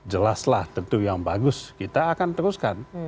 jelaslah tentu yang bagus kita akan teruskan